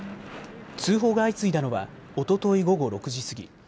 通報が相次いだのはおととい午後６時過ぎ。